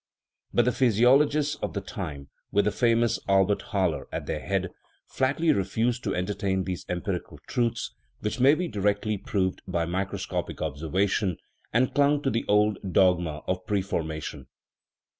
But the physiologists of the time, with the famous Albert Haller at their head, flatly refused to entertain these empirical truths, which THE RIDDLE OF THE UNIVERSE may be directly proved by microscopic observation, and clung to the old dogma of " pref ormation.